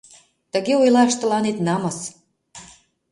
Тыге ойлаш тыланет намыс!